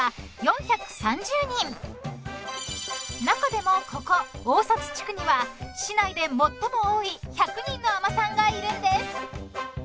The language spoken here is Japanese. ［中でもここ相差地区には市内で最も多い１００人の海女さんがいるんです］